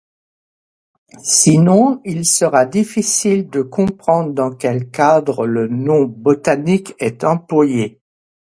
Sinon, il sera difficile de comprendre dans quel cadre le nom botanique est employé.